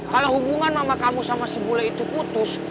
kalau hubungan sama kamu sama si bule itu putus